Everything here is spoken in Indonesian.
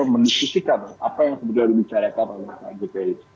menyusulkan apa yang sebenarnya dibicarakan oleh pak jokowi